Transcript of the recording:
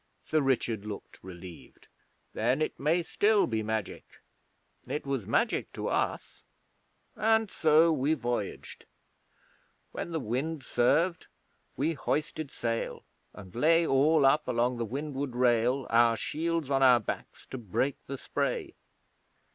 Sir Richard looked relieved. 'Then it may still be magic. It was magic to us. And so we voyaged. When the wind served we hoisted sail, and lay all up along the windward rail, our shields on our backs to break the spray.